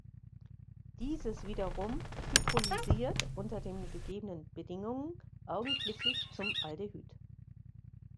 Dieses wiederum hydrolysiert unter den gegebenen Bedingungen augenblicklich zum Aldehyd.